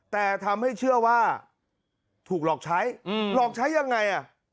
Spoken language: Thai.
แต่ทำให้เชื่อว่าถูกหลอกใช้หลอกใช้ยังไง